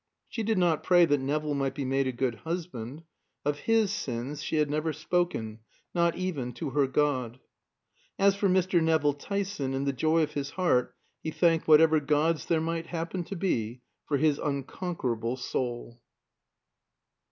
She did not pray that Nevill might be made a good husband; of his sins she had never spoken, not even to her God. As for Mr. Nevill Tyson, in the joy of his heart he thanked whatever gods there might happen to be for his unconquerable soul.